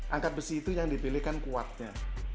angkat besi itu yang dipilih kan kuatnya